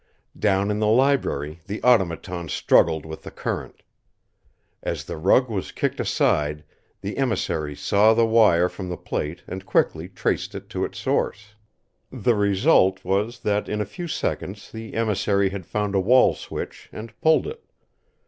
Down in the library the Automaton struggled with the current. As the rug was kicked aside, the emissary saw the wire from the plate and quickly traced it to its source. The result was that in a few seconds the emissary had found a wall switch and pulled it.